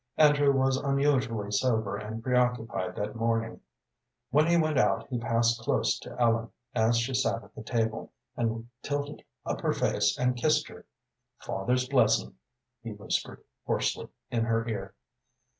Andrew was unusually sober and preoccupied that morning. When he went out he passed close to Ellen, as she sat at the table, and tilted up her face and kissed her. "Father's blessin'," he whispered, hoarsely, in her ear.